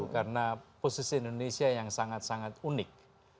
karena posisi indonesia yang sangat sangat unik